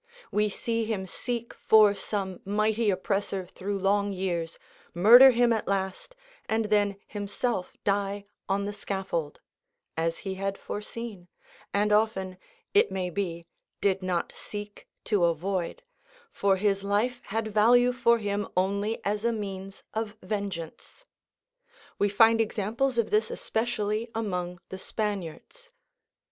We see him seek for some mighty oppressor through long years, murder him at last, and then himself die on the scaffold, as he had foreseen, and often, it may be, did not seek to avoid, for his life had value for him only as a means of vengeance. We find examples of this especially among the Spaniards.